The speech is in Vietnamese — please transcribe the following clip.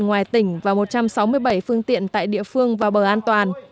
ngoài tỉnh và một trăm sáu mươi bảy phương tiện tại địa phương vào bờ an toàn